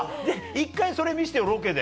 １回それ見せてよ、ロケで。